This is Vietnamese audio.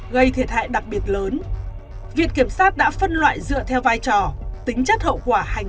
gây thiệt hại đặc biệt lớn viện kiểm sát đã phân loại dựa theo vai trò tính chất hậu quả hành